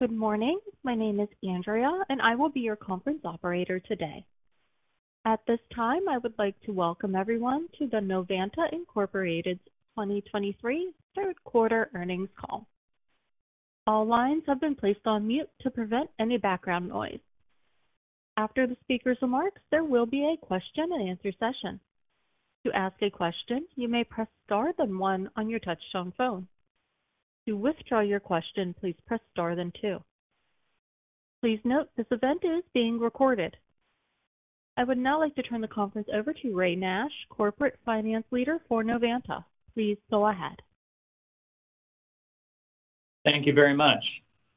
Good morning. My name is Andrea, and I will be your conference operator today. At this time, I would like to welcome everyone to the Novanta Incorporated's 2023 Third Quarter Earnings Call. All lines have been placed on mute to prevent any background noise. After the speaker's remarks, there will be a question-and-answer session. To ask a question, you may press Star, then one on your touchtone phone. To withdraw your question, please press Star, then two. Please note, this event is being recorded. I would now like to turn the conference over to Ray Nash, Corporate Finance Leader for Novanta. Please go ahead. Thank you very much.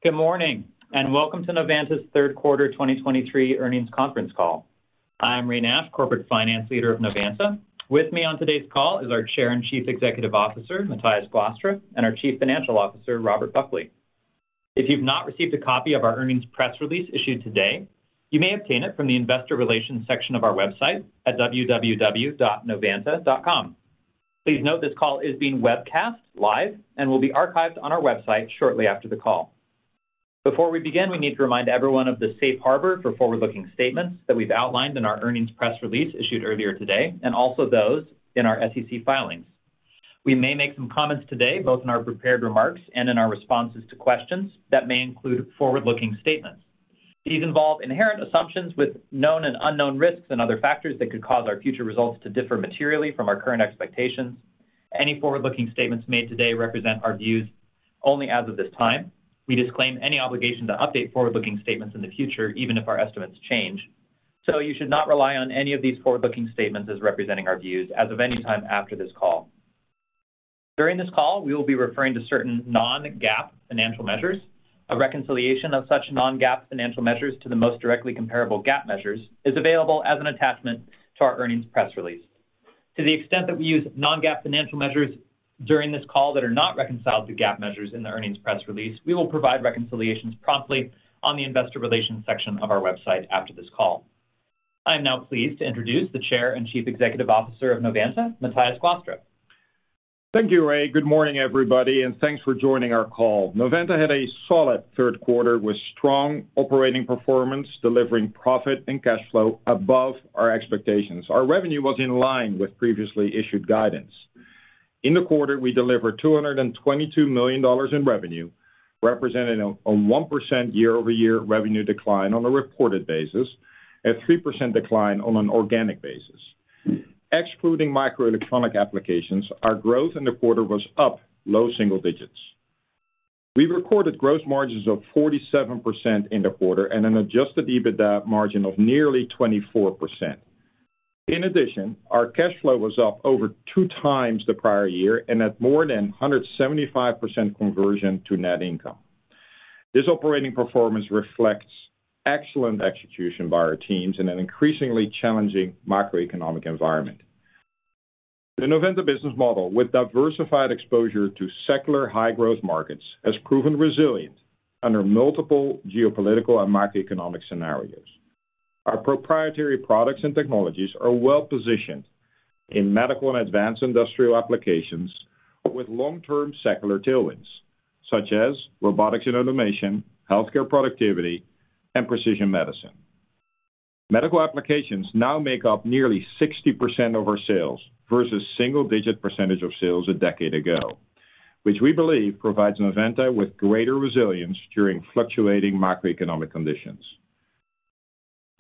Good morning, and welcome to Novanta's Third Quarter 2023 Earnings Conference Call. I'm Ray Nash, Corporate Finance Leader of Novanta. With me on today's call is our Chair and Chief Executive Officer, Matthijs Glastra, and our Chief Financial Officer, Robert Buckley. If you've not received a copy of our earnings press release issued today, you may obtain it from the investor relations section of our website at www.novanta.com. Please note this call is being webcast live and will be archived on our website shortly after the call. Before we begin, we need to remind everyone of the Safe Harbor for forward-looking statements that we've outlined in our earnings press release issued earlier today, and also those in our SEC filings. We may make some comments today, both in our prepared remarks and in our responses to questions, that may include forward-looking statements. These involve inherent assumptions with known and unknown risks and other factors that could cause our future results to differ materially from our current expectations. Any forward-looking statements made today represent our views only as of this time. We disclaim any obligation to update forward-looking statements in the future, even if our estimates change. So you should not rely on any of these forward-looking statements as representing our views as of any time after this call. During this call, we will be referring to certain non-GAAP financial measures. A reconciliation of such non-GAAP financial measures to the most directly comparable GAAP measures is available as an attachment to our earnings press release. To the extent that we use non-GAAP financial measures during this call that are not reconciled to GAAP measures in the earnings press release, we will provide reconciliations promptly on the investor relations section of our website after this call. I'm now pleased to introduce the Chair and Chief Executive Officer of Novanta, Matthijs Glastra. Thank you, Ray. Good morning, everybody, and thanks for joining our call. Novanta had a solid third quarter with strong operating performance, delivering profit and cash flow above our expectations. Our revenue was in line with previously issued guidance. In the quarter, we delivered $222 million in revenue, representing a 1% year-over-year revenue decline on a reported basis, a 3% decline on an organic basis. Excluding microelectronic applications, our growth in the quarter was up low single digits. We recorded gross margins of 47% in the quarter and an Adjusted EBITDA margin of nearly 24%. In addition, our cash flow was up over two times the prior year and at more than 175% conversion to net income. This operating performance reflects excellent execution by our teams in an increasingly challenging macroeconomic environment. The Novanta business model, with diversified exposure to secular high-growth markets, has proven resilient under multiple geopolitical and macroeconomic scenarios. Our proprietary products and technologies are well-positioned in medical and advanced industrial applications with long-term secular tailwinds, such as robotics and automation, healthcare productivity, and precision medicine. Medical applications now make up nearly 60% of our sales versus single-digit percentage of sales a decade ago, which we believe provides Novanta with greater resilience during fluctuating macroeconomic conditions.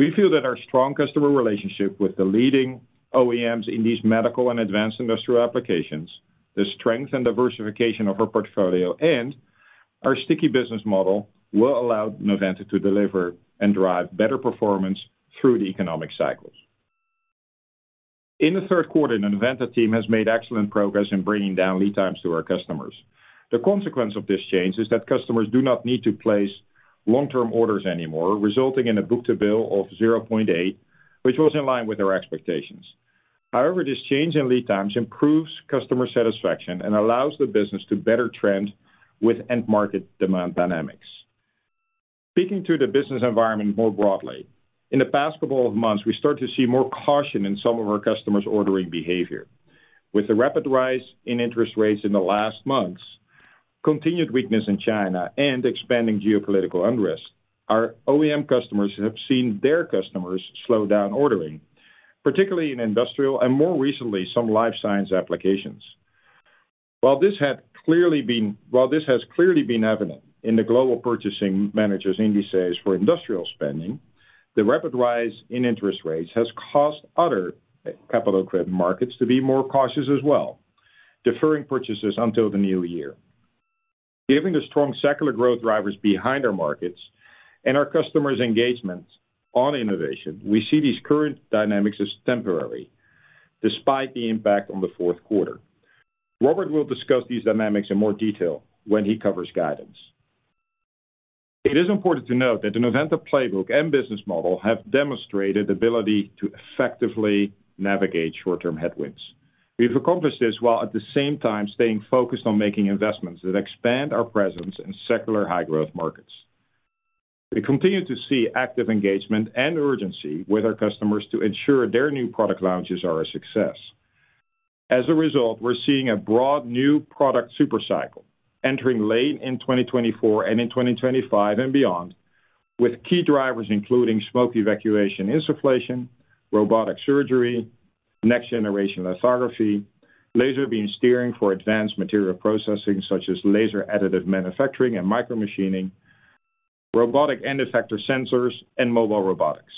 We feel that our strong customer relationship with the leading OEMs in these medical and advanced industrial applications, the strength and diversification of our portfolio, and our sticky business model will allow Novanta to deliver and drive better performance through the economic cycles. In the third quarter, the Novanta team has made excellent progress in bringing down lead times to our customers. The consequence of this change is that customers do not need to place long-term orders anymore, resulting in a book-to-bill of 0.8, which was in line with our expectations. However, this change in lead times improves customer satisfaction and allows the business to better trend with end-market demand dynamics. Speaking to the business environment more broadly, in the past couple of months, we start to see more caution in some of our customers' ordering behavior. With the rapid rise in interest rates in the last months, continued weakness in China, and expanding geopolitical unrest, our OEM customers have seen their customers slow down ordering, particularly in industrial and more recently, some life science applications. While this has clearly been evident in the Global Purchasing Managers Indices for industrial spending, the rapid rise in interest rates has caused other capital credit markets to be more cautious as well, deferring purchases until the new year. Given the strong secular growth drivers behind our markets and our customers' engagement on innovation, we see these current dynamics as temporary, despite the impact on the fourth quarter. Robert will discuss these dynamics in more detail when he covers guidance. It is important to note that the Novanta playbook and business model have demonstrated ability to effectively navigate short-term headwinds. We've accomplished this while at the same time staying focused on making investments that expand our presence in secular high-growth markets. We continue to see active engagement and urgency with our customers to ensure their new product launches are a success. As a result, we're seeing a broad new product super cycle, entering late in 2024 and in 2025 and beyond, with key drivers including smoke evacuation insufflation, robotic surgery, next-generation lithography, laser beam steering for advanced material processing, such as laser additive manufacturing and micromachining, robotic end effector sensors, and mobile robotics.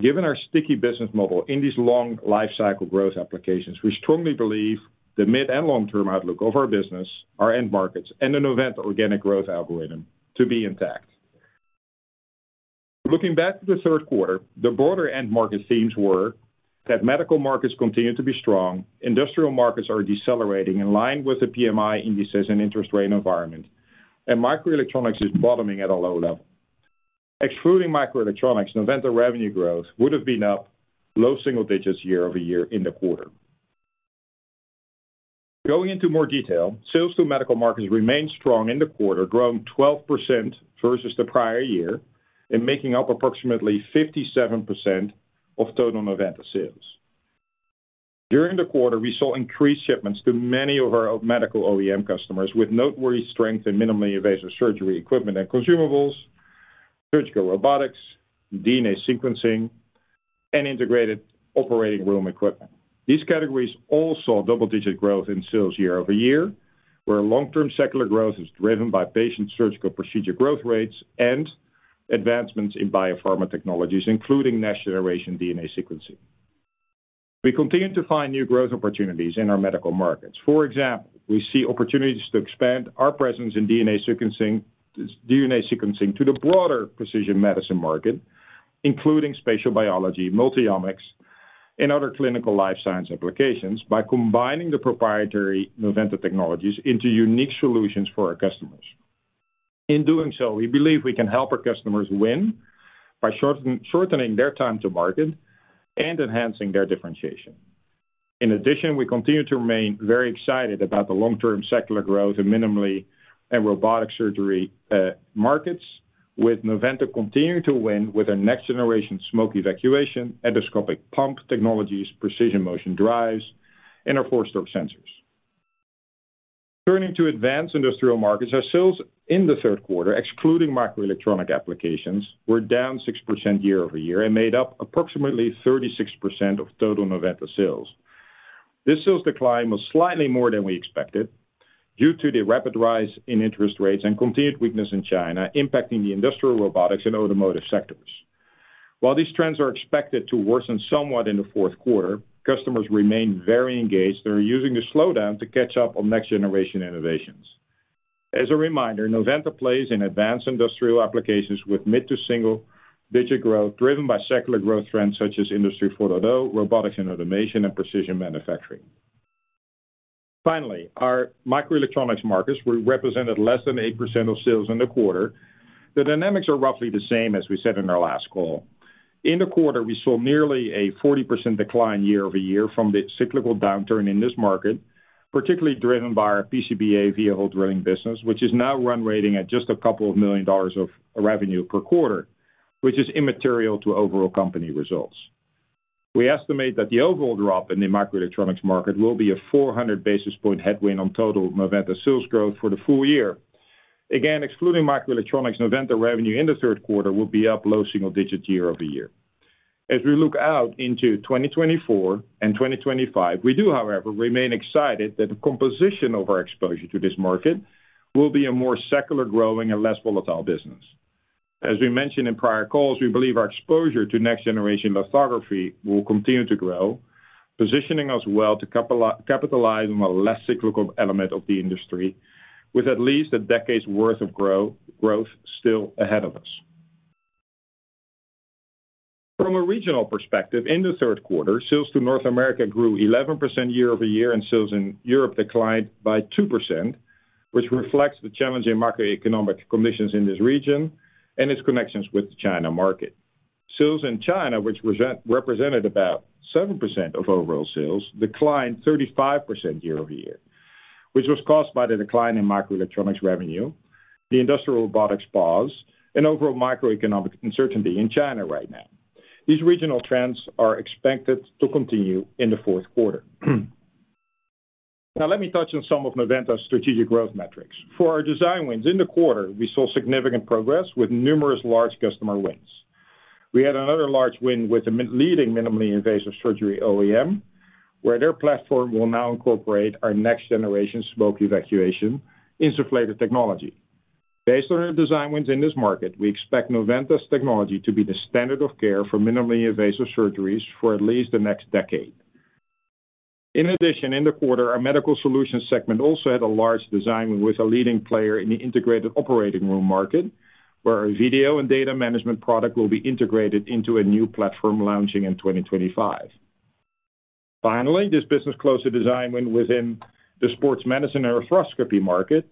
Given our sticky business model in these long lifecycle growth applications, we strongly believe the mid and long-term outlook of our business, our end markets, and the Novanta organic growth algorithm to be intact. Looking back to the third quarter, the broader end market themes were that medical markets continue to be strong, industrial markets are decelerating in line with the PMI indices and interest rate environment, and microelectronics is bottoming at a low level. Excluding microelectronics, Novanta revenue growth would have been up low single digits year-over-year in the quarter. Going into more detail, sales to medical markets remained strong in the quarter, growing 12% versus the prior year and making up approximately 57% of total Novanta sales. During the quarter, we saw increased shipments to many of our medical OEM customers, with noteworthy strength in minimally invasive surgery, equipment and consumables, surgical robotics, DNA sequencing, and integrated operating room equipment. These categories all saw double-digit growth in sales year-over-year, where long-term secular growth is driven by patient surgical procedure growth rates and advancements in biopharma technologies, including next-generation DNA sequencing. We continue to find new growth opportunities in our medical markets. For example, we see opportunities to expand our presence in DNA sequencing to the broader precision medicine market, including spatial biology, multi-omics, and other clinical life science applications, by combining the proprietary Novanta technologies into unique solutions for our customers. In doing so, we believe we can help our customers win by shortening their time to market and enhancing their differentiation. In addition, we continue to remain very excited about the long-term secular growth in minimally and robotic surgery markets, with Novanta continuing to win with our next-generation smoke evacuation, endoscopic pump technologies, precision motion drives, and our force torque sensors. Turning to advanced industrial markets, our sales in the third quarter, excluding microelectronic applications, were down 6% year-over-year and made up approximately 36% of total Novanta sales. This sales decline was slightly more than we expected, due to the rapid rise in interest rates and continued weakness in China, impacting the industrial, robotics, and automotive sectors. While these trends are expected to worsen somewhat in the fourth quarter, customers remain very engaged. They're using the slowdown to catch up on next-generation innovations. As a reminder, Novanta plays in advanced industrial applications with mid- to single-digit growth, driven by secular growth trends such as Industry 4.0, robotics and automation, and precision manufacturing. Finally, our microelectronics markets, we represented less than 8% of sales in the quarter. The dynamics are roughly the same as we said in our last call. In the quarter, we saw nearly a 40% decline year-over-year from the cyclical downturn in this market, particularly driven by our PCBA via hole drilling business, which is now run-rating at just $2 million of revenue per quarter, which is immaterial to overall company results. We estimate that the overall drop in the microelectronics market will be a 400 basis points headwind on total Novanta sales growth for the full year. Again, excluding microelectronics, Novanta revenue in the third quarter will be up low single digits year-over-year. As we look out into 2024 and 2025, we do, however, remain excited that the composition of our exposure to this market will be a more secular growing and less volatile business. As we mentioned in prior calls, we believe our exposure to next-generation lithography will continue to grow, positioning us well to capitalize on a less cyclical element of the industry, with at least a decade's worth of growth still ahead of us. From a regional perspective, in the third quarter, sales to North America grew 11% year over year, and sales in Europe declined by 2%, which reflects the challenging macroeconomic conditions in this region and its connections with the China market. Sales in China, which represented about 7% of overall sales, declined 35% year over year, which was caused by the decline in microelectronics revenue, the industrial robotics pause, and overall macroeconomic uncertainty in China right now. These regional trends are expected to continue in the fourth quarter. Now, let me touch on some of Novanta's strategic growth metrics. For our design wins, in the quarter, we saw significant progress with numerous large customer wins. We had another large win with the leading minimally invasive surgery OEM, where their platform will now incorporate our next-generation smoke evacuation insufflator technology. Based on our design wins in this market, we expect Novanta's Technology to be the standard of care for minimally invasive surgeries for at least the next decade. In addition, in the quarter, our medical solutions segment also had a large design win with a leading player in the integrated operating room market, where our video and data management product will be integrated into a new platform launching in 2025. Finally, this business closed a design win within the sports medicine and arthroscopy market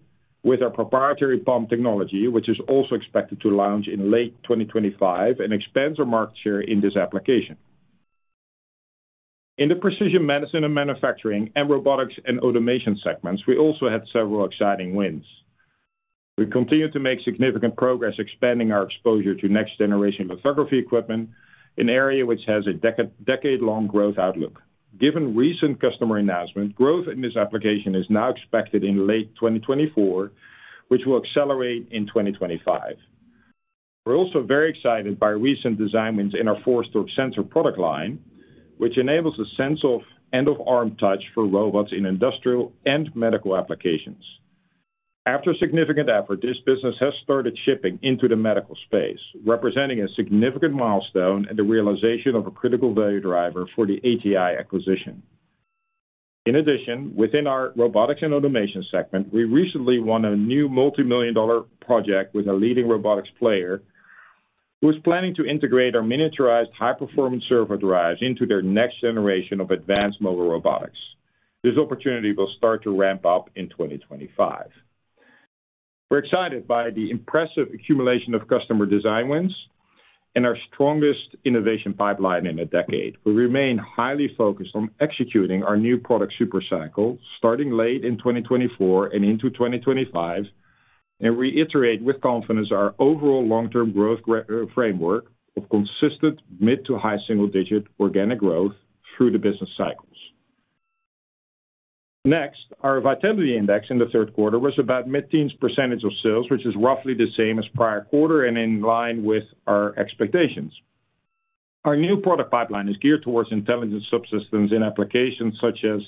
with our proprietary pump technology, which is also expected to launch in late 2025 and expands our market share in this application. In the precision medicine and manufacturing, robotics and automation segments, we also had several exciting wins. We continue to make significant progress expanding our exposure to next-generation lithography equipment, an area that has a decade-long growth outlook. Given recent customer announcements, growth in this application is now expected in late 2024, which will accelerate in 2025. We're also very excited by recent design wins in our force torque sensor Product line, which enables the sense of end-of-arm touch for robots in industrial and medical applications. After significant effort, this business has started shipping into the medical space, representing a significant milestone and the realization of a critical value driver for the ATI acquisition. In addition, within our robotics and automation segment, we recently won a new multimillion-dollar project with a leading robotics player, who is planning to integrate our miniaturized, high-performance servo drives into their next generation of advanced mobile robotics. This opportunity will start to ramp up in 2025. We're excited by the impressive accumulation of customer design wins and our strongest innovation pipeline in a decade. We remain highly focused on executing our new product super cycle, starting late in 2024 and into 2025, and reiterate with confidence our overall long-term growth framework of consistent mid- to high single-digit organic growth through the business cycles. Next, our Vitality Index in the third quarter was about mid-teens percentage of sales, which is roughly the same as prior quarter and in line with our expectations. Our new product pipeline is geared towards intelligent subsystems in applications such as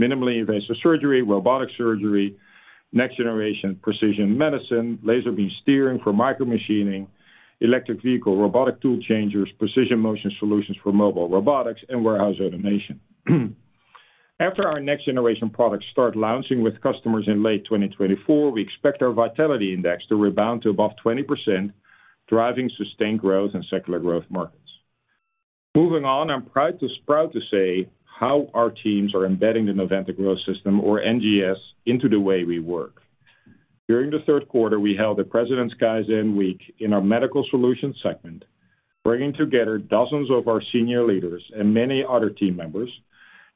minimally invasive surgery, robotic surgery, next-generation precision medicine, laser beam steering for micromachining, electric vehicles, robotic tool changers, precision motion solutions for mobile robotics, and warehouse automation. After our next-generation products start launching with customers in late 2024, we expect our Vitality Index to rebound to above 20%, driving sustained growth and secular growth markets. Moving on, I'm proud to say how our teams are embedding the Novanta Growth System, or NGS, into the way we work. During the third quarter, we held a President's Kaizen Week in our Medical Solutions segment, bringing together dozens of our senior leaders and many other team members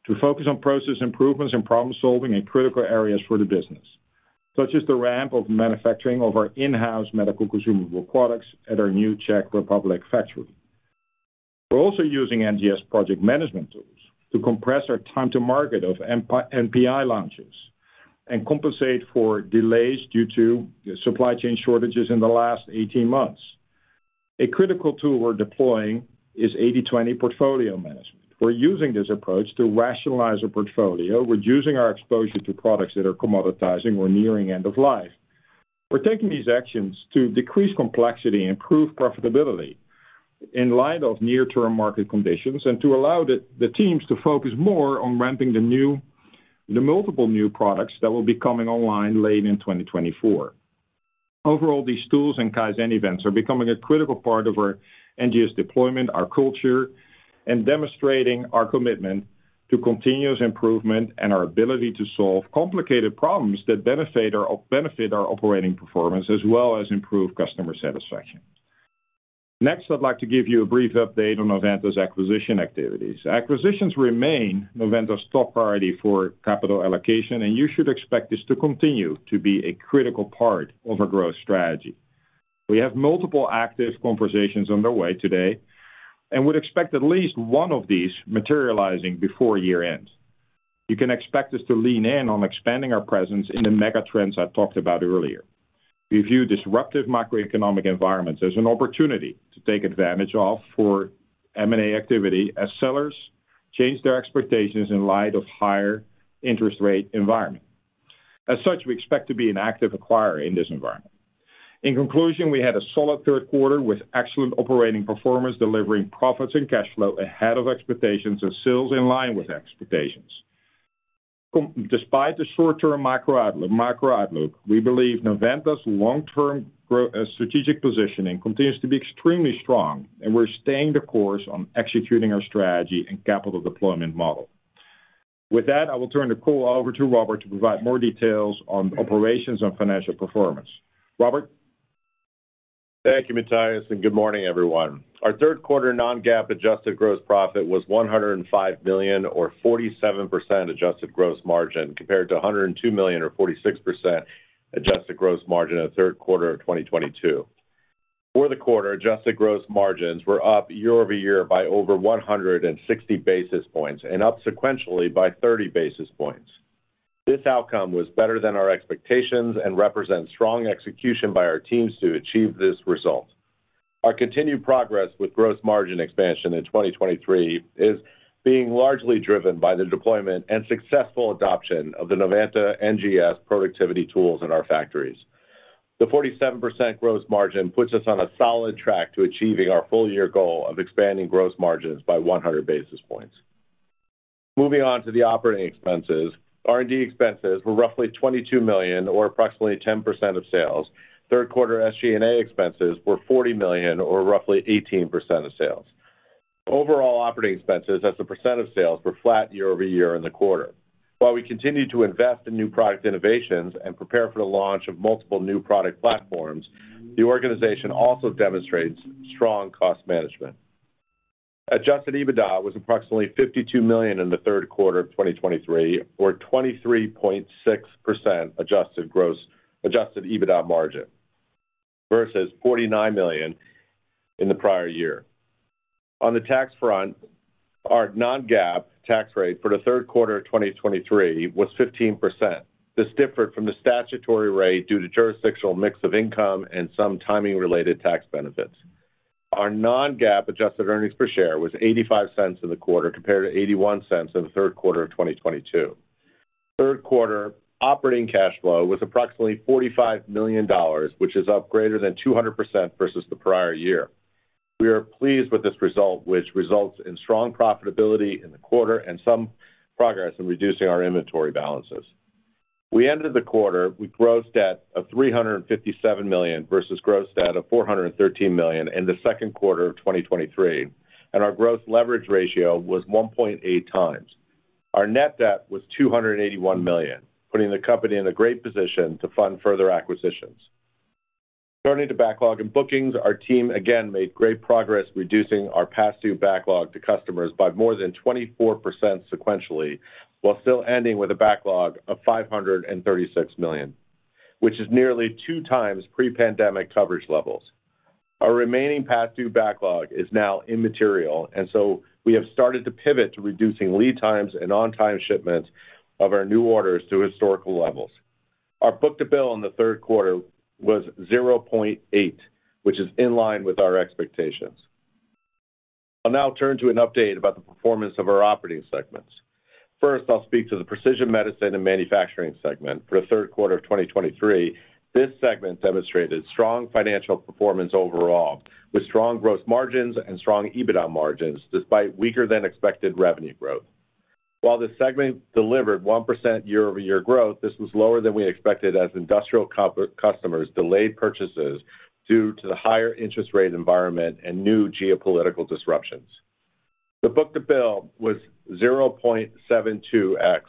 to focus on process improvements and problem-solving in critical areas for the business, such as the ramp-up of manufacturing of our in-house medical consumable products at our new Czech Republic factory. We're also using NGS project management tools to compress our time to market for NPI launches and compensate for delays due to supply chain shortages in the last 18 months. A critical tool we're deploying is 80/20 portfolio management. We're using this approach to rationalize our portfolio, reducing our exposure to products that are commoditizing or nearing end of life. We're taking these actions to decrease complexity and improve profitability in light of near-term market conditions, and to allow the teams to focus more on ramping the new, the multiple new products that will be coming online late in 2024. Overall, these tools and Kaizen events are becoming a critical part of our NGS deployment, our culture, and demonstrating our commitment to continuous improvement and our ability to solve complicated problems that benefit our operating performance, as well as improve customer satisfaction. Next, I'd like to give you a brief update on Novanta's acquisition activities. Acquisitions remain Novanta's top priority for capital allocation, and you should expect this to continue to be a critical part of our growth strategy. We have multiple active conversations underway today, and would expect at least one of these to materialize before year-end. You can expect us to lean in on expanding our presence in the megatrends I talked about earlier. We view disruptive macroeconomic environments as an opportunity to take advantage of for M&A activity, as sellers change their expectations in light of higher interest rate environment. As such, we expect to be an active acquirer in this environment. In conclusion, we had a solid third quarter with excellent operating performance, delivering profits and cash flow ahead of expectations and sales in line with expectations. Despite the short-term macro outlook, we believe Novanta's long-term growth strategic positioning continues to be extremely strong, and we're staying the course on executing our strategy and capital deployment model. With that, I will turn the call over to Robert to provide more details on operations and financial performance. Robert? Thank you, Matthijs, and good morning, everyone. Our third quarter non-GAAP adjusted gross profit was $105 million, or 47% adjusted gross margin, compared to $102 million, or 46% adjusted gross margin in the third quarter of 2022. For the quarter, adjusted gross margins were up year-over-year by over 160 basis points and up sequentially by 30 basis points. This outcome was better than our expectations and represents strong execution by our teams to achieve this result. Our continued progress with gross margin expansion in 2023 is being largely driven by the deployment and successful adoption of the Novanta NGS productivity tools in our factories. The 47% gross margin puts us on a solid track to achieving our full-year goal of expanding gross margins by 100 basis points. Moving on to the operating expenses. R&D expenses were roughly $22 million, or approximately 10% of sales. Third quarter SG&A expenses were $40 million, or roughly 18% of sales. Overall operating expenses as a percent of sales were flat year-over-year in the quarter. While we continue to invest in new product innovations and prepare for the launch of multiple new product platforms, the organization also demonstrates strong cost management.... Adjusted EBITDA was approximately $52 million in the third quarter of 2023, or 23.6% adjusted gross EBITDA margin, versus $49 million in the prior year. On the tax front, our non-GAAP tax rate for the third quarter of 2023 was 15%. This differed from the statutory rate due to jurisdictional mix of income and some timing-related tax benefits. Our non-GAAP adjusted earnings per share was $0.85 in the quarter, compared to $0.81 in the third quarter of 2022. Third quarter operating cash flow was approximately $45 million, which is up greater than 200% versus the prior year. We are pleased with this result, which results in strong profitability in the quarter and some progress in reducing our inventory balances. We ended the quarter with gross debt of $357 million versus gross debt of $413 million in the second quarter of 2023, and our growth leverage ratio was 1.8x. Our net debt was $281 million, putting the company in a great position to fund further acquisitions. Turning to backlog and bookings, our team again made great progress reducing our past due backlog to customers by more than 24% sequentially, while still ending with a backlog of $536 million, which is nearly two times pre-pandemic coverage levels. Our remaining past due backlog is now immaterial, and so we have started to pivot to reducing lead times and on-time shipments of our new orders to historical levels. Our book-to-bill in the third quarter was 0.8, which is in line with our expectations. I'll now turn to an update about the performance of our operating segments. First, I'll speak to the Precision Medicine and Manufacturing segment. For the third quarter of 2023, this segment demonstrated strong financial performance overall, with strong growth margins and strong EBITDA margins, despite weaker-than-expected revenue growth. While the segment delivered 1% year-over-year growth, this was lower than we expected as industrial customers delayed purchases due to the higher interest rate environment and new geopolitical disruptions. The book-to-bill was 0.72x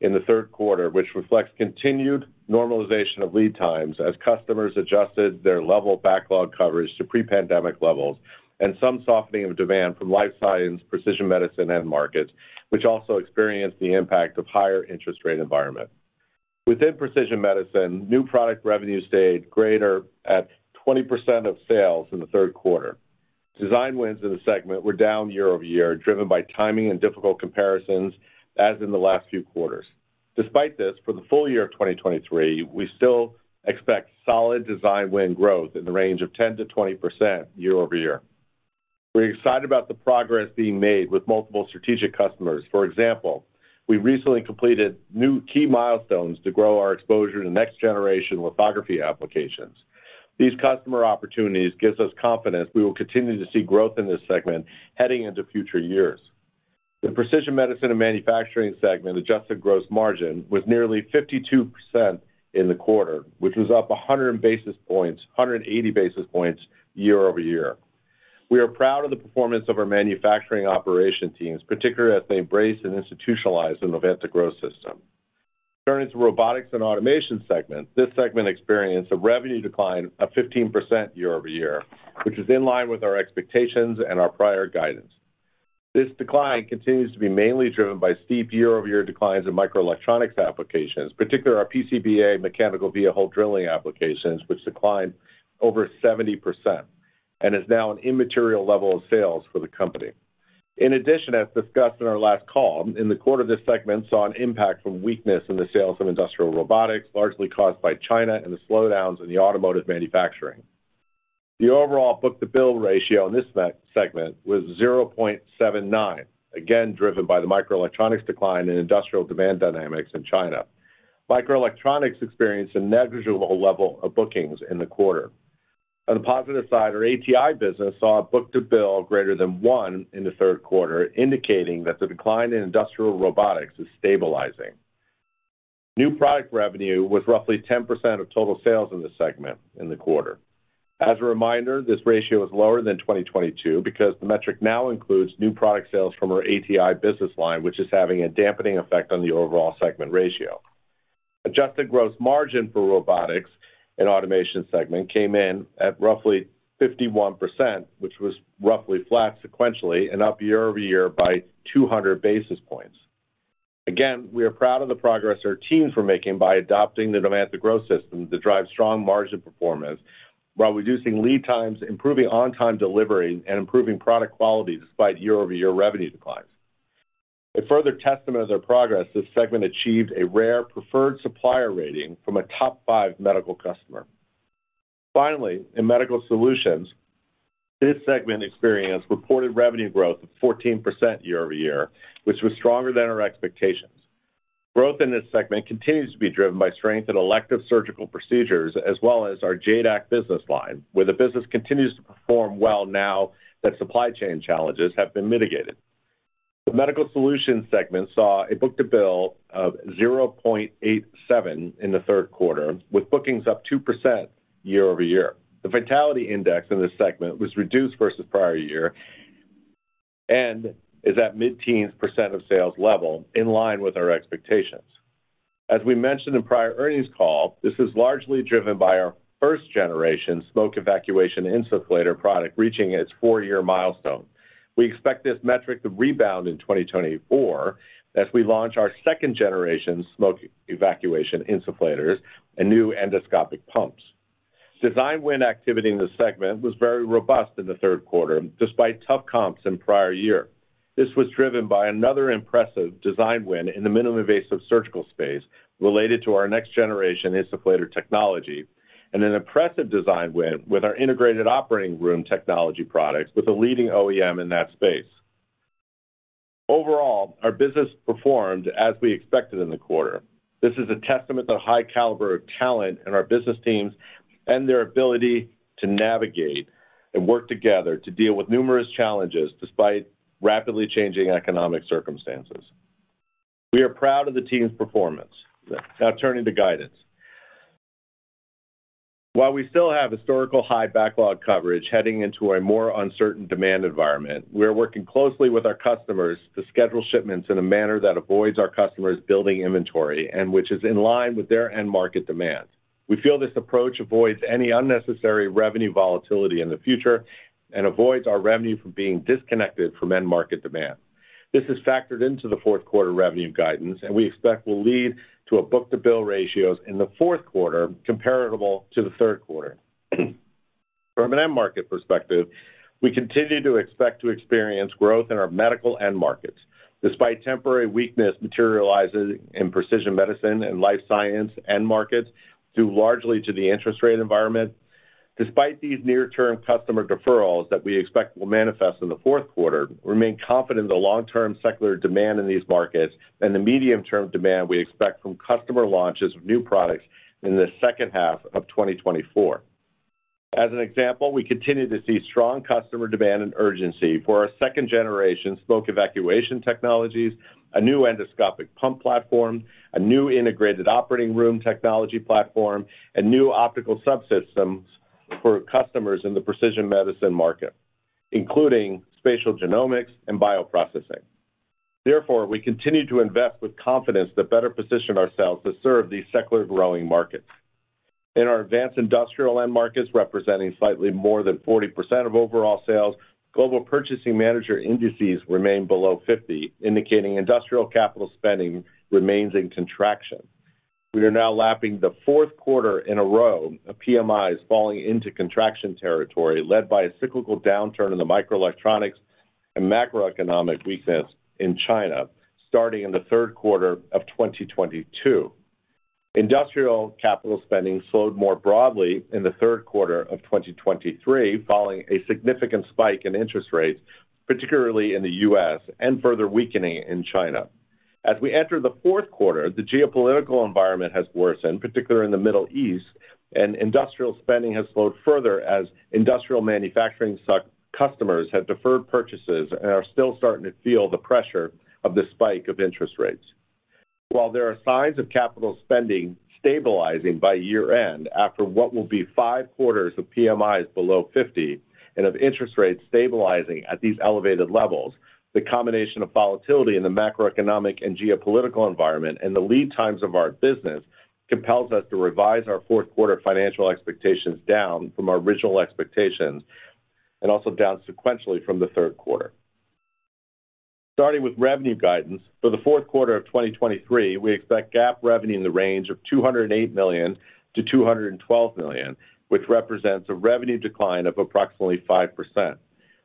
in the third quarter, which reflects continued normalization of lead times as customers adjusted their level of backlog coverage to pre-pandemic levels and some softening of demand from life science, precision medicine, end markets, which also experienced the impact of higher interest rate environment. Within precision medicine, new product revenue stayed greater at 20% of sales in the third quarter. Design wins in the segment were down year-over-year, driven by timing and difficult comparisons, as in the last few quarters. Despite this, for the full year of 2023, we still expect solid Design win growth in the range of 10%-20% year-over-year. We're excited about the progress being made with multiple strategic customers. For example, we recently completed new key milestones to grow our exposure to next-generation lithography applications. These customer opportunities gives us confidence we will continue to see growth in this segment heading into future years. The Precision Medicine and Manufacturing segment adjusted gross margin was nearly 52% in the quarter, which was up 100 basis points-180 basis points year-over-year. We are proud of the performance of our manufacturing operation teams, particularly as they embrace and institutionalize the Novanta Growth System. Turning to Robotics and Automation segment. This segment experienced a revenue decline of 15% year-over-year, which is in line with our expectations and our prior guidance. This decline continues to be mainly driven by steep year-over-year declines in microelectronics applications, particularly our PCBA mechanical via hole drilling applications, which declined over 70% and is now an immaterial level of sales for the company. In addition, as discussed in our last call, in the quarter, this segment saw an impact from weakness in the sales of industrial robotics, largely caused by China and the slowdowns in the automotive manufacturing. The overall book-to-bill ratio in this segment was 0.79, again, driven by the microelectronics decline in industrial demand dynamics in China. Microelectronics experienced a negligible level of bookings in the quarter. On the positive side, our ATI business saw a book-to-bill greater than 1 in the third quarter, indicating that the decline in industrial robotics is stabilizing. New product revenue was roughly 10% of total sales in this segment in the quarter. As a reminder, this ratio is lower than 2022 because the metric now includes new product sales from our ATI business line, which is having a dampening effect on the overall segment ratio. Adjusted gross margin for Robotics and Automation Segment came in at roughly 51%, which was roughly flat sequentially and up year-over-year by 200 basis points. Again, we are proud of the progress our teams were making by adopting the Novanta Growth System to drive strong margin performance while reducing lead times, improving on-time delivery, and improving product quality despite year-over-year revenue declines. A further testament of our progress, this segment achieved a rare preferred supplier rating from a top five medical customer. Finally, in Medical Solutions, this segment experienced reported revenue growth of 14% year-over-year, which was stronger than our expectations. Growth in this segment continues to be driven by strength in elective surgical procedures, as well as our JADAK Business Line, where the business continues to perform well now that supply chain challenges have been mitigated. The Medical Solutions segment saw a book-to-bill of 0.87 in the third quarter, with bookings up 2% year-over-year. The vitality index in this segment was reduced versus prior year and is at mid-teens % of sales level, in line with our expectations. As we mentioned in prior earnings call, this is largely driven by our first-generation smoke evacuation insufflator product reaching its four-year milestone. We expect this metric to rebound in 2024 as we launch our second-generation smoke evacuation insufflators and new endoscopic pumps. Design win activity in the segment was very robust in the third quarter, despite tough comps in prior year. This was driven by another impressive design win in the minimally invasive surgical space related to our next-generation insufflator technology, and an impressive design win with our integrated operating room technology products with a leading OEM in that space. Overall, our business performed as we expected in the quarter. This is a testament to the high caliber of talent in our business teams and their ability to navigate and work together to deal with numerous challenges, despite rapidly changing economic circumstances. We are proud of the team's performance. Now turning to guidance. While we still have historical high backlog coverage heading into a more uncertain demand environment, we are working closely with our customers to schedule shipments in a manner that avoids our customers building inventory, and which is in line with their end market demands. We feel this approach avoids any unnecessary revenue volatility in the future and avoids our revenue from being disconnected from end market demand. This is factored into the fourth quarter revenue guidance, and we expect will lead to a book-to-bill ratios in the fourth quarter comparable to the third quarter. From an end market perspective, we continue to expect to experience growth in our medical end markets, despite temporary weakness materializing in precision medicine and life science end markets, due largely to the interest rate environment. Despite these near-term customer deferrals that we expect will manifest in the fourth quarter, we remain confident in the long-term secular demand in these markets and the medium-term demand we expect from customer launches of new products in the second half of 2024. As an example, we continue to see strong customer demand and urgency for our second-generation Smoke Evacuation technologies, a new Endoscopic Pump platform, a new integrated operating room technology platform, and new optical subsystems for customers in the precision medicine market, including spatial genomics and bioprocessing. Therefore, we continue to invest with confidence to better position ourselves to serve these secular growing markets. In our advanced industrial end markets, representing slightly more than 40% of overall sales, global purchasing managers' indices remain below 50, indicating industrial capital spending remains in contraction. We are now lapping the fourth quarter in a row of PMIs falling into contraction territory, led by a cyclical downturn in the microelectronics and macroeconomic weakness in China, starting in the third quarter of 2022. Industrial capital spending slowed more broadly in the third quarter of 2023, following a significant spike in interest rates, particularly in the U.S., and further weakening in China. As we enter the fourth quarter, the geopolitical environment has worsened, particularly in the Middle East, and industrial spending has slowed further as industrial manufacturing customers have deferred purchases and are still starting to feel the pressure of the spike of interest rates. While there are signs of capital spending stabilizing by year-end, after what will be five quarters of PMIs below 50 and of interest rates stabilizing at these elevated levels, the combination of volatility in the macroeconomic and geopolitical environment and the lead times of our business compels us to revise our fourth quarter financial expectations down from our original expectations, and also down sequentially from the third quarter. Starting with revenue guidance, for the fourth quarter of 2023, we expect GAAP revenue in the range of $208 million-$212 million, which represents a revenue decline of approximately 5%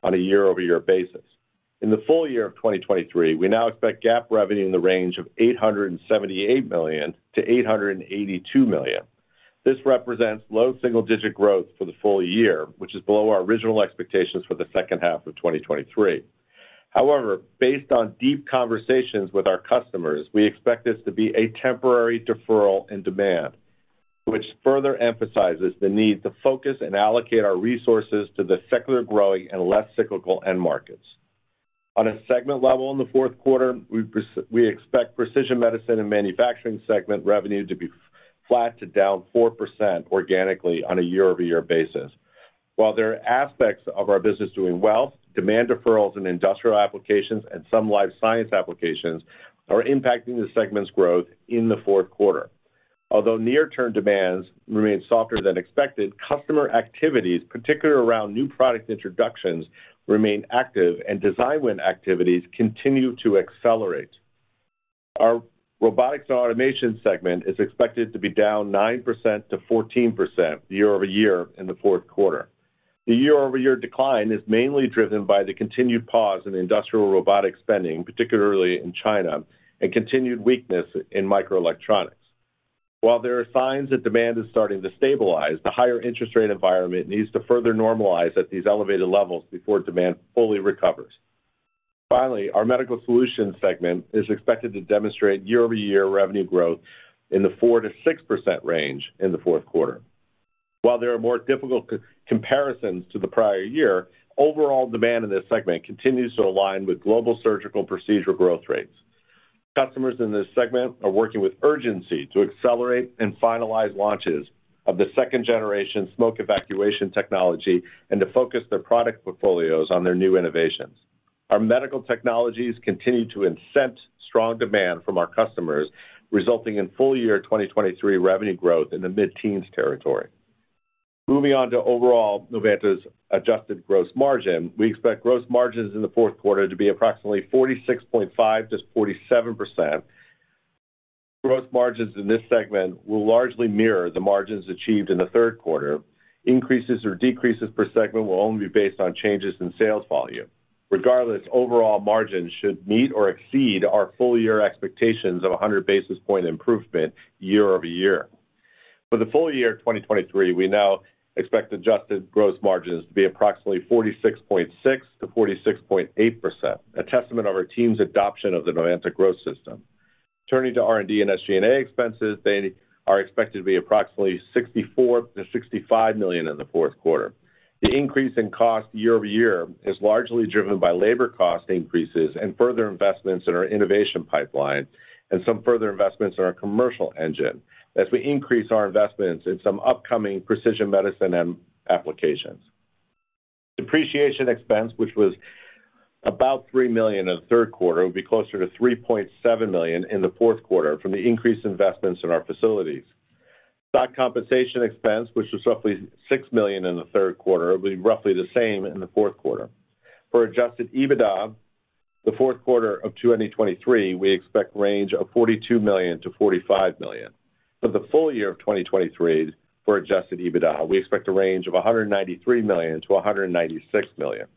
on a year-over-year basis. In the full year of 2023, we now expect GAAP revenue in the range of $878 million-$882 million. This represents low single-digit growth for the full year, which is below our original expectations for the second half of 2023. However, based on deep conversations with our customers, we expect this to be a temporary deferral in demand, which further emphasizes the need to focus and allocate our resources to the secular growing and less cyclical end markets. On a segment level in the fourth quarter, we expect precision medicine and manufacturing segment revenue to be flat to down 4% organically on a year-over-year basis. While there are aspects of our business doing well, demand deferrals in industrial applications and some life science applications are impacting the segment's growth in the fourth quarter. Although near-term demands remain softer than expected, customer activities, particularly around new product introductions, remain active and design win activities continue to accelerate. Our robotics and automation segment is expected to be down 9%-14% year-over-year in the fourth quarter. The year-over-year decline is mainly driven by the continued pause in industrial robotic spending, particularly in China, and continued weakness in microelectronics. While there are signs that demand is starting to stabilize, the higher interest rate environment needs to further normalize at these elevated levels before demand fully recovers. Finally, our Medical Solutions segment is expected to demonstrate year-over-year revenue growth in the 4%-6% range in the fourth quarter. While there are more difficult comparisons to the prior year, overall demand in this segment continues to align with global surgical procedural growth rates. Customers in this segment are working with urgency to accelerate and finalize launches of the second generation smoke evacuation technology and to focus their product portfolios on their new innovations. Our medical technologies continue to incent strong demand from our customers, resulting in full year 2023 revenue growth in the mid-teens territory. Moving on to overall Novanta's adjusted gross margin. We expect gross margins in the fourth quarter to be approximately 46.5%-47%. Gross margins in this segment will largely mirror the margins achieved in the third quarter. Increases or decreases per segment will only be based on changes in sales volume. Regardless, overall margins should meet or exceed our full year expectations of 100 basis point improvement year-over-year. For the full year of 2023, we now expect adjusted gross margins to be approximately 46.6%-46.8%, a testament of our team's adoption of the Novanta Growth System. Turning to R&D and SG&A expenses, they are expected to be approximately $64 million-$65 million in the fourth quarter. The increase in cost year-over-year is largely driven by labor cost increases and further investments in our innovation pipeline, and some further investments in our commercial engine as we increase our investments in some upcoming precision medicine applications. Depreciation expense, which was about $3 million in the third quarter, will be closer to $3.7 million in the fourth quarter from the increased investments in our facilities. Stock compensation expense, which was roughly $6 million in the third quarter, will be roughly the same in the fourth quarter. For Adjusted EBITDA, the fourth quarter of 2023, we expect range of $42-45 million. For the full year of 2023, for Adjusted EBITDA, we expect a range of $193 --$196 million.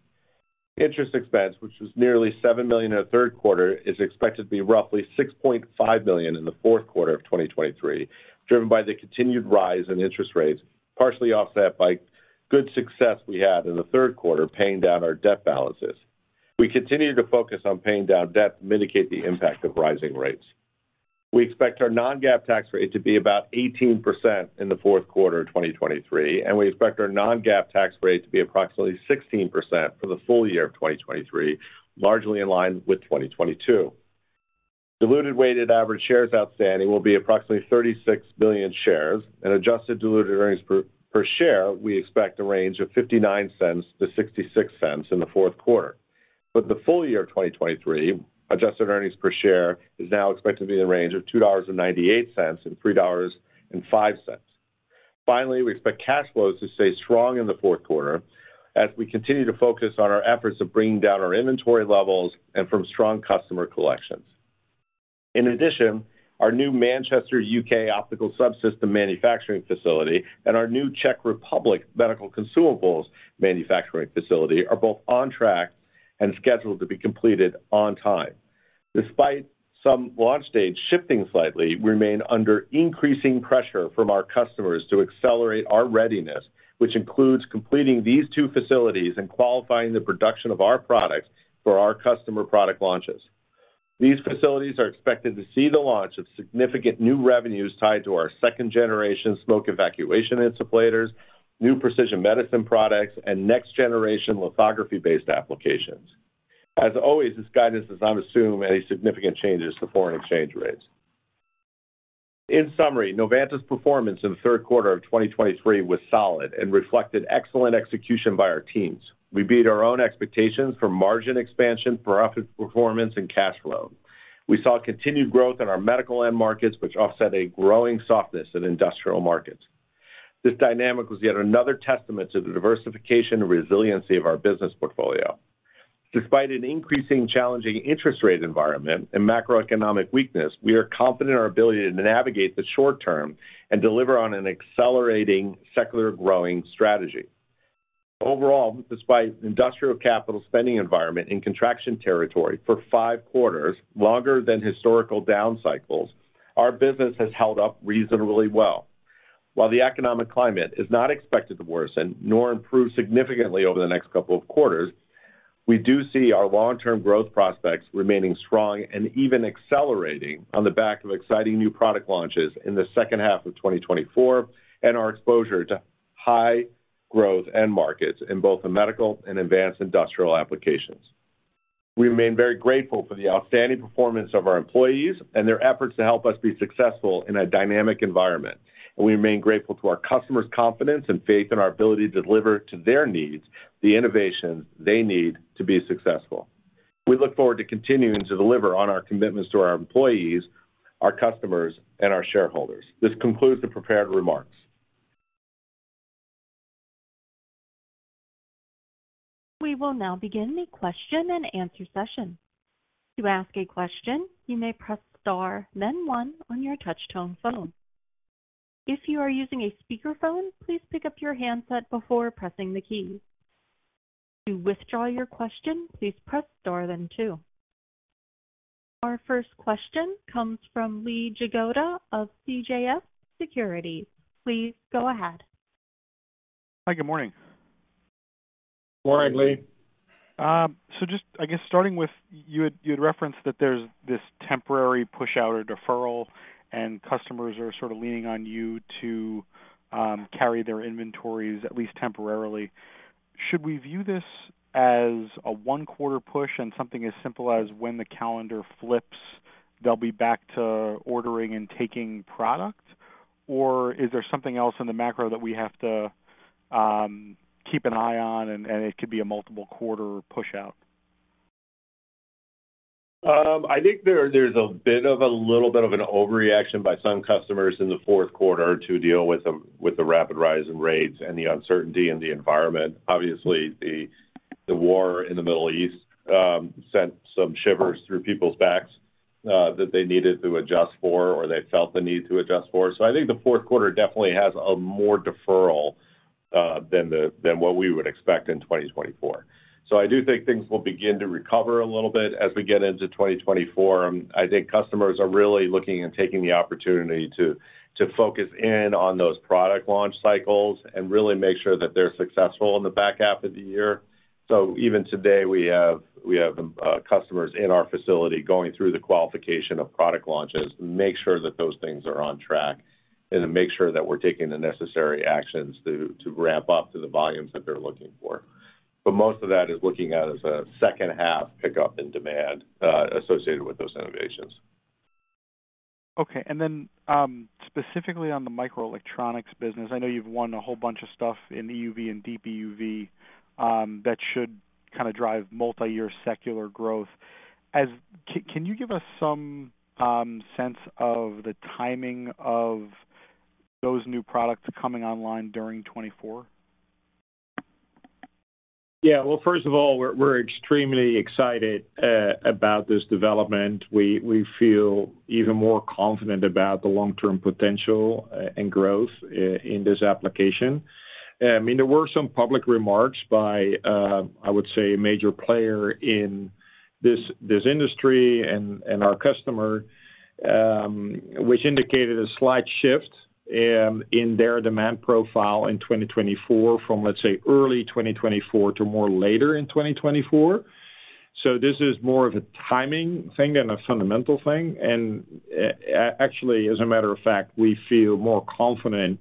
Interest expense, which was nearly $7 million in the third quarter, is expected to be roughly $6.5 million in the fourth quarter of 2023, driven by the continued rise in interest rates, partially offset by good success we had in the third quarter, paying down our debt balances. We continue to focus on paying down debt to mitigate the impact of rising rates. We expect our non-GAAP tax rate to be about 18% in the fourth quarter of 2023, and we expect our non-GAAP tax rate to be approximately 16% for the full year of 2023, largely in line with 2022. Diluted weighted average shares outstanding will be approximately 36 million shares, and adjusted diluted earnings per share, we expect a range of $0.59-$0.66 in the fourth quarter. For the full year of 2023, adjusted earnings per share is now expected to be in the range of $2.98-3.05. Finally, we expect cash flows to stay strong in the fourth quarter as we continue to focus on our efforts of bringing down our inventory levels and from strong customer collections. In addition, our new Manchester, U.K., optical subsystem manufacturing facility and our new Czech Republic medical consumables manufacturing facility are both on track and scheduled to be completed on time. Despite some launch dates shifting slightly, we remain under increasing pressure from our customers to accelerate our readiness, which includes completing these two facilities and qualifying the production of our products for our customer product launches. These facilities are expected to see the launch of significant new revenues tied to our second generation smoke evacuation insufflators, new precision medicine products, and next generation lithography-based applications. As always, this guidance does not assume any significant changes to foreign exchange rates. In summary, Novanta's performance in the third quarter of 2023 was solid and reflected excellent execution by our teams. We beat our own expectations for margin expansion, profit performance, and cash flow. We saw continued growth in our medical end markets, which offset a growing softness in industrial markets. This dynamic was yet another testament to the diversification and resiliency of our business portfolio. Despite an increasingly challenging interest rate environment and macroeconomic weakness, we are confident in our ability to navigate the short term and deliver on an accelerating, secularly growing strategy. Overall, despite industrial capital spending environment in contraction territory for five quarters, longer than historical down cycles, our business has held up reasonably well. While the economic climate is not expected to worsen nor improve significantly over the next couple of quarters, we do see our long-term growth prospects remaining strong and even accelerating on the back of exciting new product launches in the second half of 2024, and our exposure to high growth end markets in both the medical and advanced industrial applications. We remain very grateful for the outstanding performance of our employees and their efforts to help us be successful in a dynamic environment, and we remain grateful to our customers' confidence and faith in our ability to deliver to their needs, the innovations they need to be successful. We look forward to continuing to deliver on our commitments to our employees, our customers, and our shareholders. This concludes the prepared remarks. We will now begin the question-and-answer session. To ask a question, you may press Star, then one on your touchtone phone. If you are using a speakerphone, please pick up your handset before pressing the key. To withdraw your question, please press Star then two. Our first question comes from Lee Jagoda of CJS Securities. Please go ahead. Hi, good morning. Morning, Lee. So just, I guess, starting with, you had referenced that there's this temporary push out or deferral, and customers are sort of leaning on you to carry their inventories, at least temporarily. Should we view this as a one-quarter push and something as simple as when the calendar flips, they'll be back to ordering and taking product? Or is there something else in the macro that we have to keep an eye on, and it could be a multiple quarter pushout? I think there's a bit of a little bit of an overreaction by some customers in the fourth quarter to deal with the rapid rise in rates and the uncertainty in the environment. Obviously, the war in the Middle East sent some shivers through people's backs that they needed to adjust for or they felt the need to adjust for. So I think the fourth quarter definitely has a more deferral than what we would expect in 2024. So I do think things will begin to recover a little bit as we get into 2024. I think customers are really looking and taking the opportunity to focus in on those product launch cycles and really make sure that they're successful in the back half of the year. So even today, we have customers in our facility going through the qualification of product launches to make sure that those things are on track and to make sure that we're taking the necessary actions to ramp up to the volumes that they're looking for. But most of that is looking at as a second half pickup in demand associated with those innovations. Okay. And then, specifically on the microelectronics business, I know you've won a whole bunch of stuff in EUV and Deep UV, that should kind of drive multiyear secular growth. Can you give us some sense of the timing of those new products coming online during 2024? Yeah. Well, first of all, we're extremely excited about this development. We feel even more confident about the long-term potential and growth in this application. I mean, there were some public remarks by, I would say, a major player in this industry and our customer, which indicated a slight shift in their demand profile in 2024, from, let's say, early 2024 to more later in 2024. So this is more of a timing thing than a fundamental thing, and actually, as a matter of fact, we feel more confident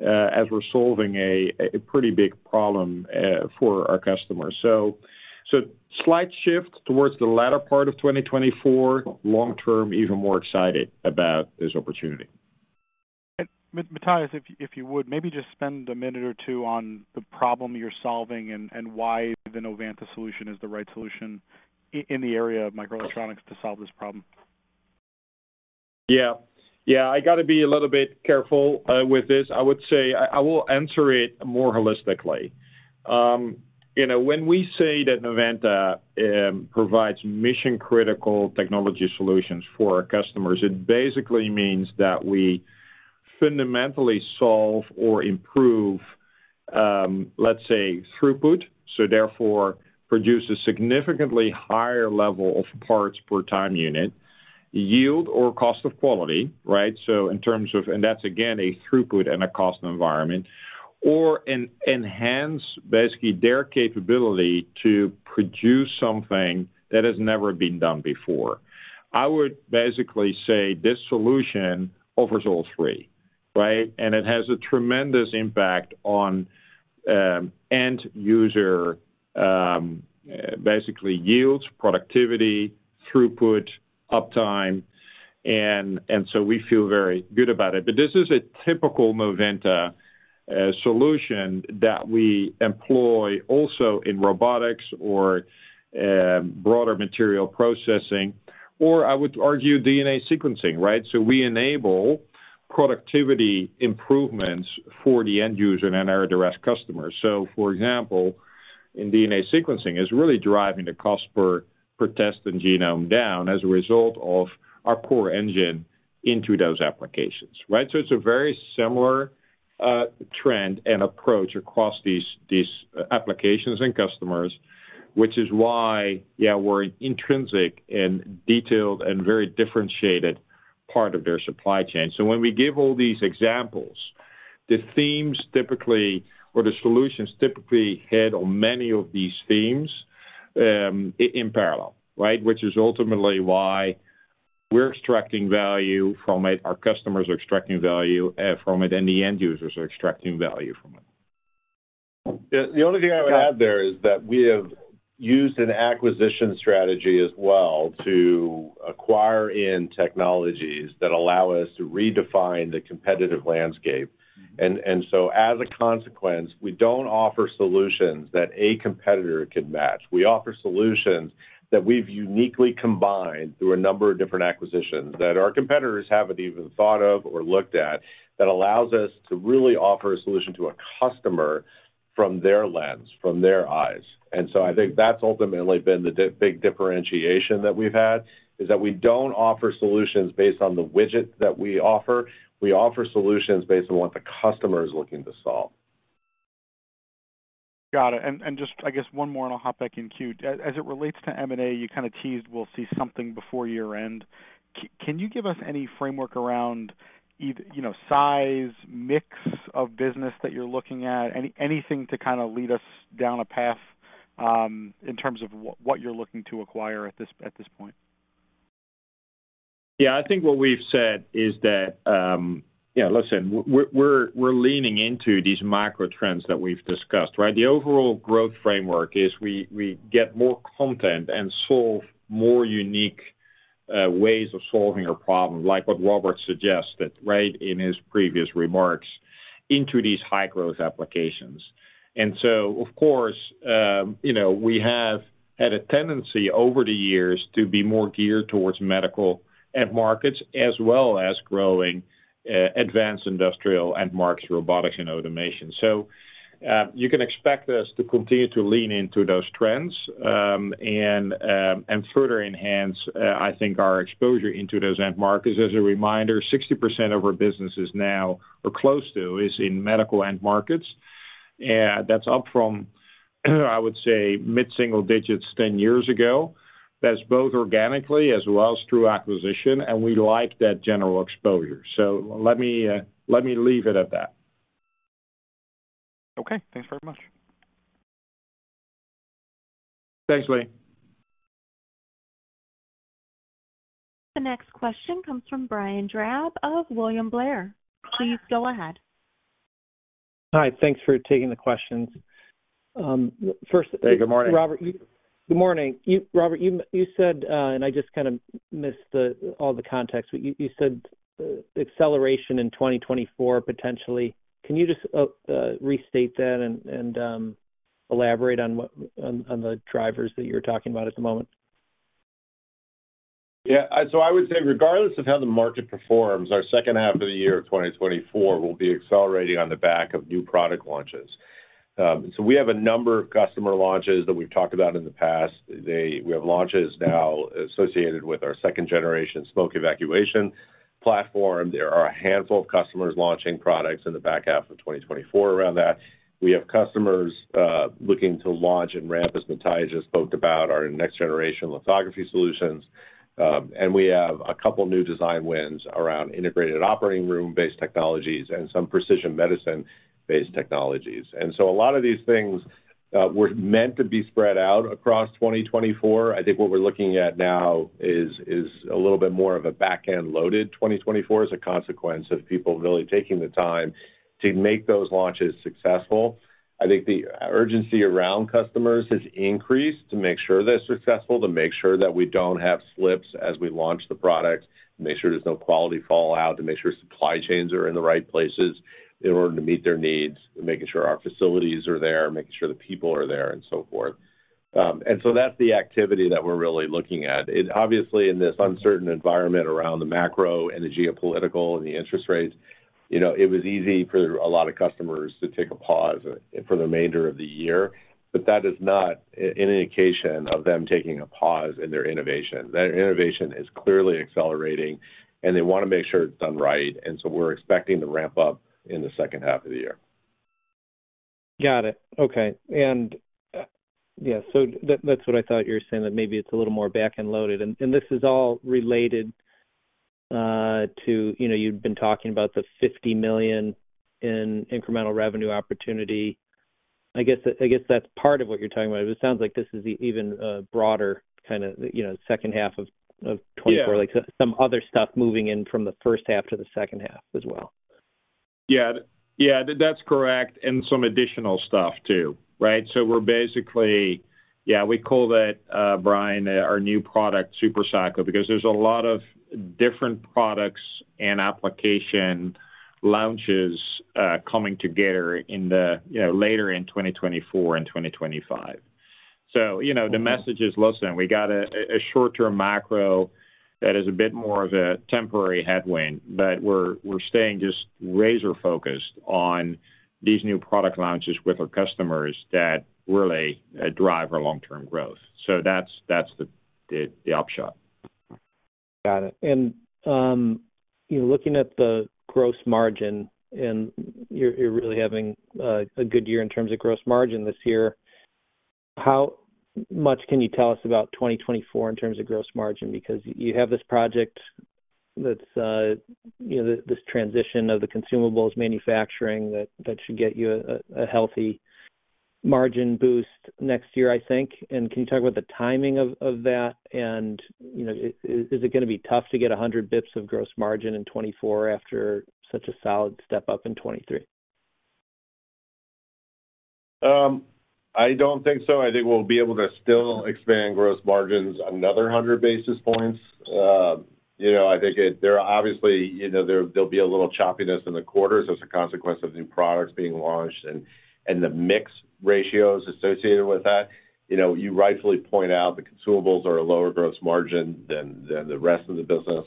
as we're solving a pretty big problem for our customers. So slight shift towards the latter part of 2024, long term, even more excited about this opportunity. Matthijs, if you would, maybe just spend a minute or two on the problem you're solving and why the Novanta solution is the right solution in the area of microelectronics to solve this problem. Yeah. Yeah, I got to be a little bit careful with this. I would say I will answer it more holistically. You know, when we say that Novanta provides mission-critical technology solutions for our customers, it basically means that we fundamentally solve or improve, let's say, throughput, so therefore produces significantly higher level of parts per time unit, yield or cost of quality, right? So in terms of... And that's again, a throughput and a cost environment, or enhance, basically, their capability to produce something that has never been done before. I would basically say this solution offers all three, right? And it has a tremendous impact on end user, basically yields, productivity, throughput, uptime, and so we feel very good about it. But this is a typical Novanta solution that we employ also in robotics or, broader material processing, or I would argue, DNA sequencing, right? So we enable productivity improvements for the end user and our direct customers. So for example, in DNA sequencing, is really driving the cost per test and genome down as a result of our core engine into those applications, right? So it's a very similar, trend and approach across these applications and customers, which is why, yeah, we're intrinsic and detailed and very differentiated part of their supply chain. So when we give all these examples, the themes typically, or the solutions typically hit on many of these themes, in parallel, right? Which is ultimately why we're extracting value from it, our customers are extracting value, from it, and the end users are extracting value from it. Yeah, the only thing I would add there is that we have used an acquisition strategy as well to acquire in technologies that allow us to redefine the competitive landscape. And, and so as a consequence, we don't offer solutions that a competitor can match. We offer solutions that we've uniquely combined through a number of different acquisitions that our competitors haven't even thought of or looked at, that allows us to really offer a solution to a customer from their lens, from their eyes. And so I think that's ultimately been the big differentiation that we've had, is that we don't offer solutions based on the widget that we offer. We offer solutions based on what the customer is looking to solve. Got it. And just, I guess one more, and I'll hop back in queue. As it relates to M&A, you kind of teased we'll see something before year-end. Can you give us any framework around... You know, size, mix of business that you're looking at? Anything to kind of lead us down a path, in terms of what you're looking to acquire at this, at this point? Yeah, I think what we've said is that... Yeah, listen, we're leaning into these macro trends that we've discussed, right? The overall growth framework is we get more content and solve more unique- Ways of solving a problem, like what Robert suggests that, right, in his previous remarks, into these high-growth applications. And so, of course, you know, we have had a tendency over the years to be more geared towards medical end markets, as well as growing, advanced industrial end markets, robotics and automation. So, you can expect us to continue to lean into those trends, and, and further enhance, I think, our exposure into those end markets. As a reminder, 60% of our business is now, or close to, is in medical end markets. And that's up from, I would say, mid-single digits 10 years ago. That's both organically as well as through acquisition, and we like that general exposure. So let me, let me leave it at that. Okay. Thanks very much. Thanks, Willie. The next question comes from Brian Drab of William Blair. Please go ahead. Hi. Thanks for taking the questions. First- Hey, good morning. Robert, good morning. You, Robert, said and I just kind of missed all the context, but you said acceleration in 2024, potentially. Can you just restate that and elaborate on what the drivers that you're talking about at the moment? Yeah. So I would say, regardless of how the market performs, our second half of the year of 2024 will be accelerating on the back of new product launches. So we have a number of customer launches that we've talked about in the past. We have launches now associated with our second generation smoke evacuation platform. There are a handful of customers launching products in the back half of 2024 around that. We have customers looking to launch and ramp, as Matthijs just spoke about, our next-generation lithography solutions. And we have a couple new design wins around integrated operating room-based technologies and some precision medicine-based technologies. And so a lot of these things were meant to be spread out across 2024. I think what we're looking at now is a little bit more of a back-end loaded 2024 as a consequence of people really taking the time to make those launches successful. I think the urgency around customers has increased to make sure they're successful, to make sure that we don't have slips as we launch the product, to make sure there's no quality fallout, to make sure supply chains are in the right places in order to meet their needs, and making sure our facilities are there, making sure the people are there, and so forth. And so that's the activity that we're really looking at. Obviously, in this uncertain environment around the macro and the geopolitical and the interest rates, you know, it was easy for a lot of customers to take a pause for the remainder of the year, but that is not an indication of them taking a pause in their innovation. Their innovation is clearly accelerating, and they want to make sure it's done right, and so we're expecting to ramp up in the second half of the year. Got it. Okay. And yeah, so that's what I thought you were saying, that maybe it's a little more back-end loaded. And this is all related to, you know, you've been talking about the $50 million in incremental revenue opportunity. I guess that's part of what you're talking about. It sounds like this is even broader kind of, you know, second half of 2024- Yeah... like some other stuff moving in from the first half to the second half as well. Yeah. That's correct, and some additional stuff too, right? So we're basically... Yeah, we call that, Brian, our new product super cycle, because there's a lot of different products and application launches, coming together in the, you know, later in 2024 and 2025. So, you know, the message is, listen, we got a, a short-term macro that is a bit more of a temporary headwind, but we're, we're staying just razor-focused on these new product launches with our customers that really drive our long-term growth. So that's, that's the, the upshot. Got it. And, you know, looking at the gross margin, and you're really having a good year in terms of gross margin this year, how much can you tell us about 2024 in terms of gross margin? Because you have this project that's, you know, this transition of the consumables manufacturing that should get you a healthy margin boost next year, I think. And can you talk about the timing of that? And, you know, is it gonna be tough to get 100 basis points of gross margin in 2024 after such a solid step-up in 2023? I don't think so. I think we'll be able to still expand gross margins another 100 basis points. You know, I think there are obviously, you know, there, there'll be a little choppiness in the quarters as a consequence of new products being launched and, and the mix ratios associated with that. You know, you rightfully point out, the consumables are a lower gross margin than, than the rest of the business.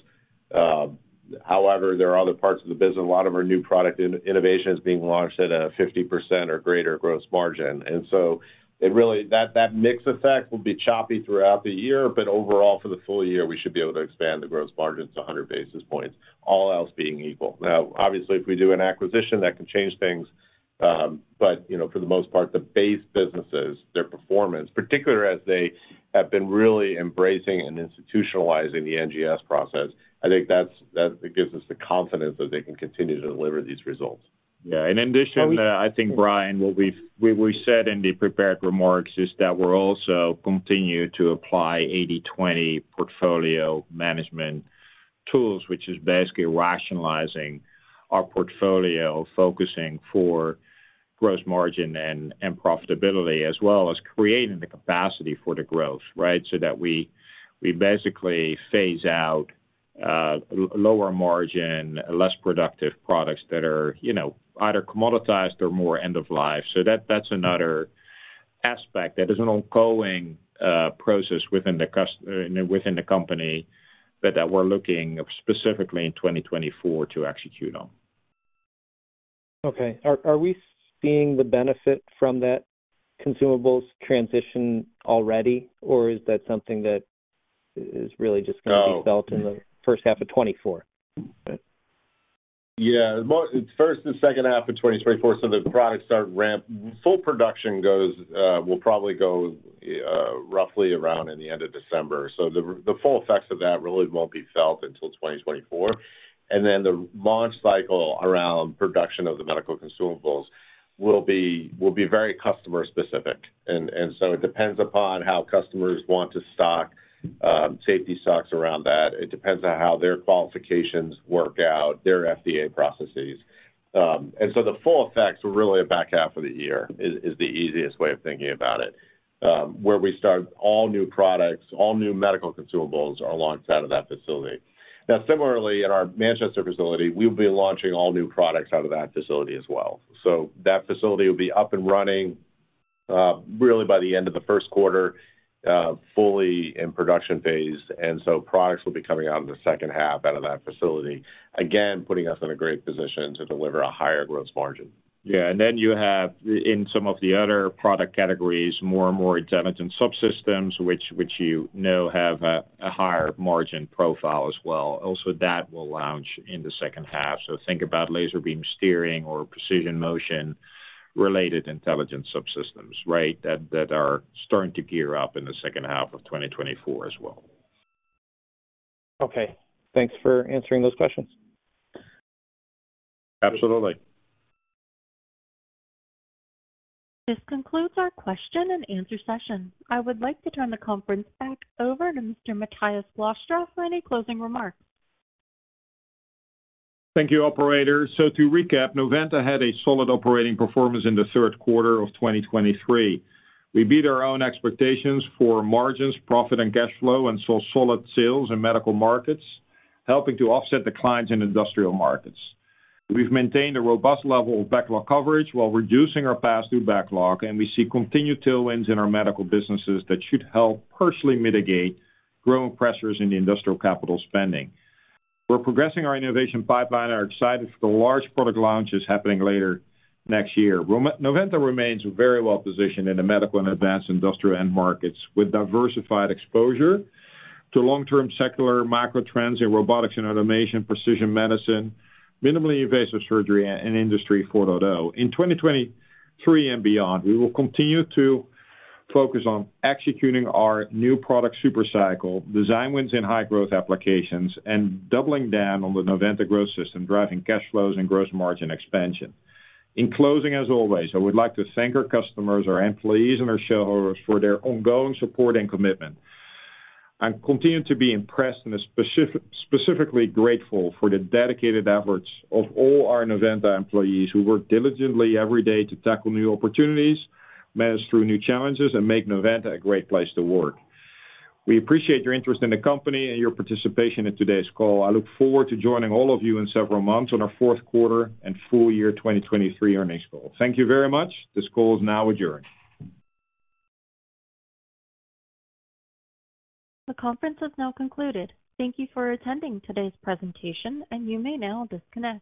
However, there are other parts of the business, a lot of our new product innovation is being launched at a 50% or greater gross margin. And so that, that mix effect will be choppy throughout the year, but overall, for the full year, we should be able to expand the gross margins to 100 basis points, all else being equal. Now, obviously, if we do an acquisition, that can change things. But, you know, for the most part, the base businesses, their performance, particularly as they have been really embracing and institutionalizing the NGS process, I think that's—that gives us the confidence that they can continue to deliver these results. Yeah. And in addition, I think, Brian, what we've—we said in the prepared remarks is that we're also continue to apply 80/20 portfolio management tools, which is basically rationalizing our portfolio, focusing for gross margin and, and profitability, as well as creating the capacity for the growth, right? So that we, we basically phase out, lower margin, less productive products that are, you know, either commoditized or more end of life. So that, that's another aspect that is an ongoing process within the company, but that we're looking specifically in 2024 to execute on. Okay. Are we seeing the benefit from that consumables transition already, or is that something that is really just gonna- No. be felt in the first half of 2024? Yeah, it's first and second half of 2024, so the products start ramp. Full production goes, will probably go, roughly around in the end of December. So the full effects of that really won't be felt until 2024. And then the launch cycle around production of the medical consumables will be, will be very customer specific. And so it depends upon how customers want to stock safety stocks around that. It depends on how their qualifications work out, their FDA processes. And so the full effects are really back half of the year, is the easiest way of thinking about it. Where we start all new products, all new medical consumables are launched out of that facility. Now, similarly, in our Manchester facility, we'll be launching all new products out of that facility as well. So that facility will be up and running, really by the end of the first quarter, fully in production phase, and so products will be coming out in the second half out of that facility. Again, putting us in a great position to deliver a higher growth margin. Yeah, and then you have, in some of the other product categories, more and more intelligent subsystems, which, which you know have a, a higher margin profile as well. Also, that will launch in the second half. So think about laser beam steering or precision motion-related intelligent subsystems, right, that, that are starting to gear up in the second half of 2024 as well. Okay, thanks for answering those questions. Absolutely. This concludes our question and answer session. I would like to turn the conference back over to Mr. Matthijs Glastra for any closing remarks. Thank you, operator. So to recap, Novanta had a solid operating performance in the third quarter of 2023. We beat our own expectations for margins, profit, and cash flow, and saw solid sales in medical markets, helping to offset the declines in industrial markets. We've maintained a robust level of backlog coverage while reducing our past due backlog, and we see continued tailwinds in our medical businesses that should help partially mitigate growing pressures in the industrial capital spending. We're progressing our innovation pipeline and are excited for the large product launches happening later next year. Novanta remains very well positioned in the medical and advanced industrial end markets, with diversified exposure to long-term secular macro trends in robotics and automation, precision medicine, minimally invasive surgery, and Industry 4.0. In 2023 and beyond, we will continue to focus on executing our new product super cycle, design wins in high growth applications, and doubling down on the Novanta Growth System, driving cash flows and gross margin expansion. In closing, as always, I would like to thank our customers, our employees, and our shareholders for their ongoing support and commitment. I continue to be impressed and specifically grateful for the dedicated efforts of all our Novanta employees, who work diligently every day to tackle new opportunities, manage through new challenges, and make Novanta a great place to work. We appreciate your interest in the company and your participation in today's call. I look forward to joining all of you in several months on our fourth quarter and full year 2023 earnings call. Thank you very much. This call is now adjourned. The conference has now concluded. Thank you for attending today's presentation, and you may now disconnect.